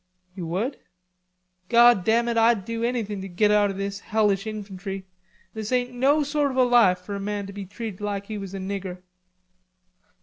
"You would?" "God damn it, Ah'd do anything to git out o' this hellish infantry. This ain't no sort o' life for a man to be treated lahk he was a nigger."